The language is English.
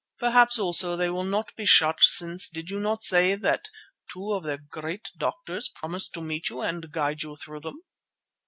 Perhaps also they will not be shut since did you not say that two of their great doctors promised to meet you and guide you through them?"